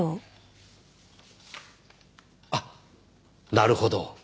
あっなるほど。